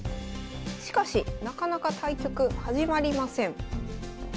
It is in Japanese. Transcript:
しかしなかなか対局始まりません。